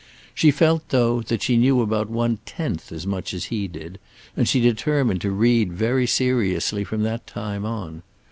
She felt, though, that she knew about one tenth as much as he did, and she determined to read very seriously from that time on.